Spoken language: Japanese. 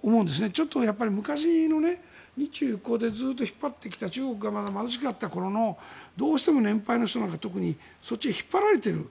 ちょっと、昔の日中友好でずっと引っ張ってきた中国がまだ貧しかった頃のどうしても年配の人なんかは、特にそっちへ引っ張られている。